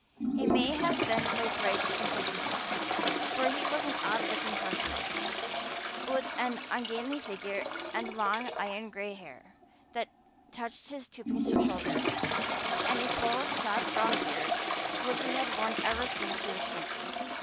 He may have been quite right in thinking so, for he was an odd looking personage, with an ungainly figure and long iron gray hair that touched his stooping shoulders, and a full, soft brown beard which he had worn ever since he was twenty.